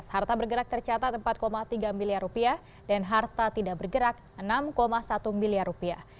harta bergerak tercatat empat tiga miliar rupiah dan harta tidak bergerak enam satu miliar rupiah